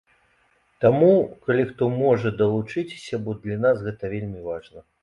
Таму, калі хто можа, далучыцеся, бо для нас гэта вельмі важна.